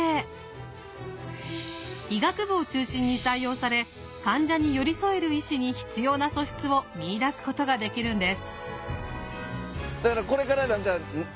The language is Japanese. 医学部を中心に採用され患者に寄り添える医師に必要な素質を見いだすことができるんです。